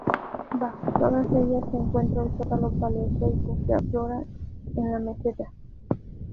Bajo todas ellas se encuentra el zócalo paleozoico que aflora en la Meseta.